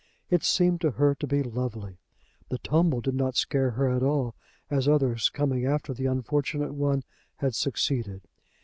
It seemed to her to be lovely. The tumble did not scare her at all, as others coming after the unfortunate one had succeeded.